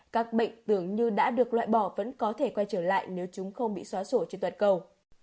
các bệnh tưởng như đã được loại bỏ vẫn có thể quay trở lại nếu chúng không bị xóa sổ trên toàn cầu